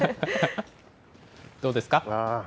どうですか？